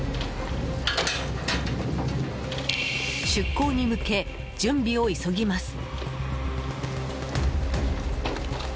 出航に向け準備を急ぎます。